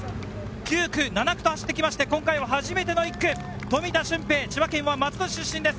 ９区、７区と走ってきて今回初めての１区、富田峻平、千葉県は松戸市出身です。